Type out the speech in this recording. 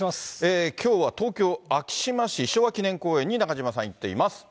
きょうは東京・昭島市、昭和記念公園に中島さん、行っています。